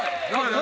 何？